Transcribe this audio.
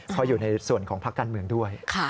พออยู่ในส่วนของพักการเมืองด้วย